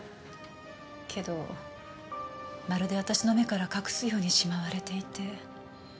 けどまるで私の目から隠すようにしまわれていて。